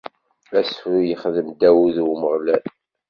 Asefru i yexdem Dawed i Umeɣlal.